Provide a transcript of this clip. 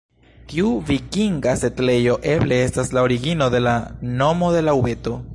Tiu vikinga setlejo eble estas la origino de la nomo de la ubeto.